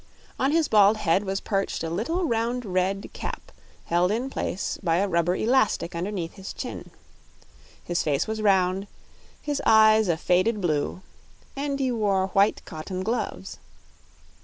On his bald head was perched a little, round, red cap held in place by a rubber elastic underneath his chin. His face was round, his eyes a faded blue, and he wore white cotton gloves.